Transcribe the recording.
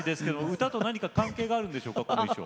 歌と何か関係があるんですか？